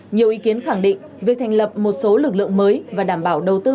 nhiều ý kiến khẳng định việc thành lập một số lực lượng mới và đảm bảo đầu tư